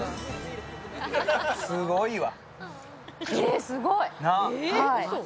すごいわ。